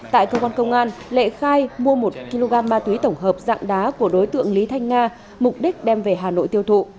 tại cơ quan công an lệ khai mua một kg ma túy tổng hợp dạng đá của đối tượng lý thanh nga mục đích đem về hà nội tiêu thụ